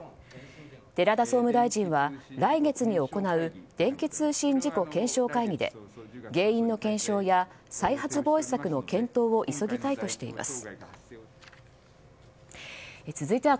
寺田総務大臣は、来月に行う電気通信事故検証会議で原因の検証や再発防止策の検討を急ぎたいとしています。